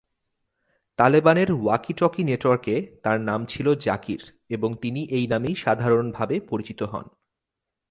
তালেবানের ওয়াকি-টকি নেটওয়ার্কে তার নাম ছিল "জাকির", এবং তিনি এই নামেই সাধারণভাবে পরিচিত হন।